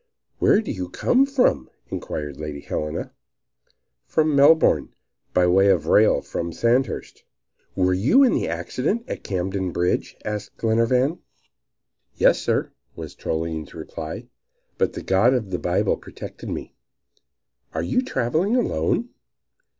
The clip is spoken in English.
"Where do you come from?" inquired Lady Helena. "From Melbourne, by the railway from Sandhurst." "Were you in the accident at Camden Bridge?" said Glenarvan. "Yes, sir," was Toline's reply; "but the God of the Bible protected me." "Are you traveling alone?"